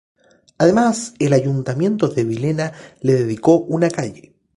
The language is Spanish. Además, el ayuntamiento de Villena le dedicó una calle.